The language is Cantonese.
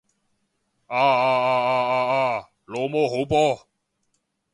啊啊啊啊啊啊！老母好波！